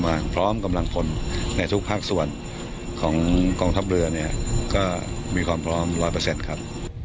พร้อมกำลังพลในทุกภาคส่วนของกองทัพเรือเนี่ยก็มีความพร้อมร้อยเปอร์เซ็นต์ครับ